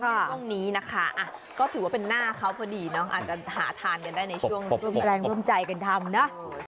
ช่วงนี้นะคะก็ถือว่าเป็นหน้าเขาพอดีเนาะอาจจะหาทานกันได้ในช่วงร่วมแรงร่วมใจกันทำเนอะ